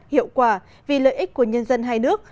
hiệu quả vì lợi ích của nhân dân hai nước